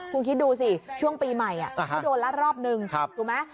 คุณคิดดูสิช่วงปีใหม่เขาโดนละรอบนึงถูกไหม